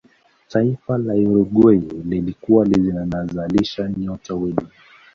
taifa la uruguay lilikuwa linazalisha nyota wengi